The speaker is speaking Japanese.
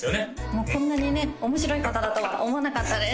もうこんなにね面白い方だとは思わなかったです